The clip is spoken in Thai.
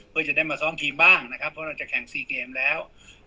เพื่อจะได้มาซ้อมทีมบ้างนะครับเพราะเราจะแข่ง๔เกมแล้ว